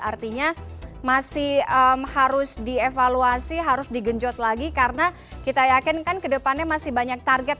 artinya masih harus dievaluasi harus digenjot lagi karena kita yakin kan kedepannya masih banyak target